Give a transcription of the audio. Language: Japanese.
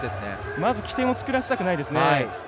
まず起点をつくらせたくないですね。